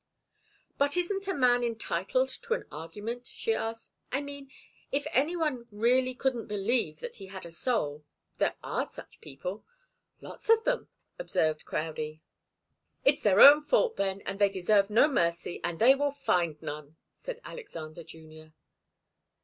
"But isn't a man entitled to an argument?" she asked. "I mean if any one really couldn't believe that he had a soul there are such people " "Lots of them," observed Crowdie. "It's their own fault, then, and they deserve no mercy and they will find none," said Alexander Junior.